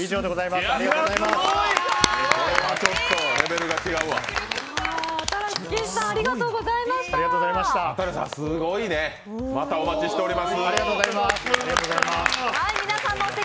すごいね、またお待ちしております。